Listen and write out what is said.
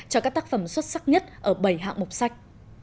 cho các tác phẩm xuất sắc nhất ở bảy hạng mục sách